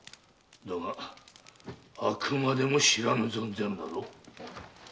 だがあくまでも“知らぬ存ぜぬ”だぞ。